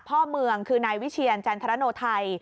พ่อเมืองคือนายวิเชียรจันทรโนไทย